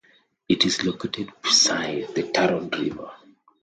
It is located beside the Turon River.